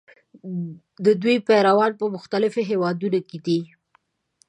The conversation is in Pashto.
د دوی پیروان په مختلفو هېوادونو کې دي.